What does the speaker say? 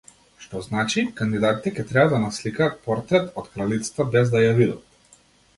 Што значи, кандидатите ќе треба да насликаат портрет од кралицата без да ја видат!